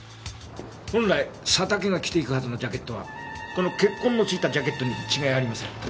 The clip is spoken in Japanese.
本来佐竹が着ていくはずのジャケットはこの血痕の付いたジャケットに違いありません。